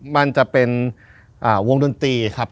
มันจะเป็นวงดนตรีครับ